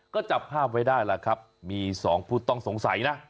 ก็จับภาพไว้ได้ล่ะครับมีสองผู้ต้องสงสัยนะ